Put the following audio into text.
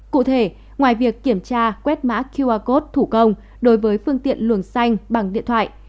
cụ thể ngoài việc kiểm tra quét mã qr code thủ công đối với phương tiện luồng xanh bằng điện thoại